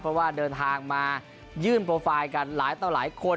เพราะว่าเดินทางมายื่นโปรไฟล์กันหลายต่อหลายคน